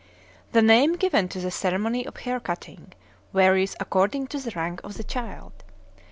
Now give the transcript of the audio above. The name given to the ceremony of hair cutting varies according to the rank of the child.